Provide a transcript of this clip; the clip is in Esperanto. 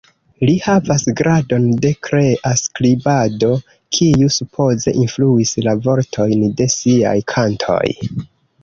Li havas gradon de krea skribado, kiu supoze influis la vortojn de siaj kantoj.